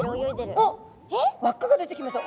おっ輪っかが出てきました。